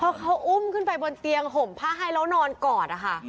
เพราะเขาอุ้มขึ้นไปบนเตียงห่มผ้าให้แล้วนอนกอดนะคะ